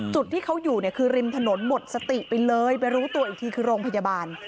จุดที่เขาอยู่เนี่ยคือริมถนนหมดสติไปเลยไปรู้ตัวอีกทีคือโรงพยาบาล